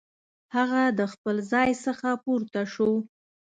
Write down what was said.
هغه د خپل ځای څخه پورته شو.